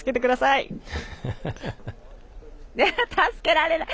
いや、助けられない。